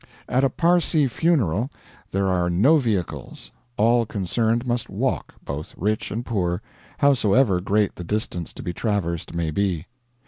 At a Parsee funeral there are no vehicles; all concerned must walk, both rich and poor, howsoever great the distance to be traversed may be.